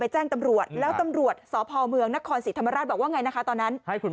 ไปแจ้งตำรวจแล้วตำรวจสบนศรีธรรรมราชบอกว่าไงนะคะตอนนั้น